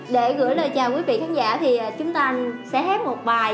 để gửi lời chào quý vị khán giả thì chúng ta sẽ hết một bài